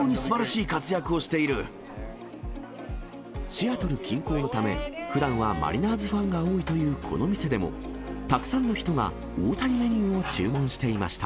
シアトル近郊のため、ふだんはマリナーズファンが多いというこの店でも、たくさんの人が大谷メニューを注文していました。